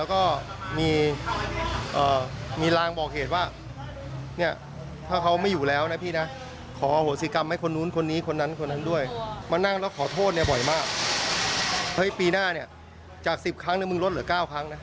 ๑๐ครั้งแล้วมึงลดเหลือ๙ครั้ง